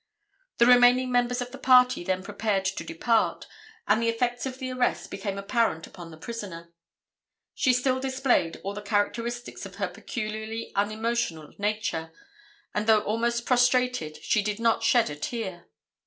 The remaining members of the party then prepared to depart, and the effects of the arrest became apparent upon the prisoner. She still displayed all the characteristics of her peculiarly unemotional nature, and though almost prostrated, she did not shed a tear.